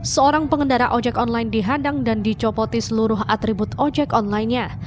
seorang pengendara ojek online dihadang dan dicopoti seluruh atribut ojek online nya